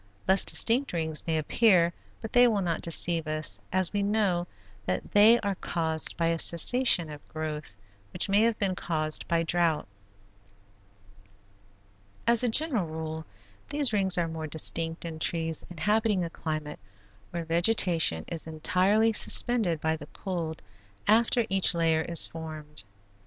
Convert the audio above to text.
Less distinct rings may appear but they will not deceive us as we know that they are caused by a cessation of growth, which may have been caused by drouth. As a general rule these rings are more distinct in trees inhabiting a climate where vegetation is entirely suspended by the cold after each layer is formed.